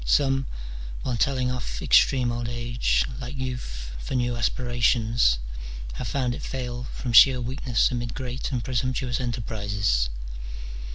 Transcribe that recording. Some, while telling off extreme old age, like youth, for new aspirations, have found it fail from sheer weakness amid great and presump tuous enterprises.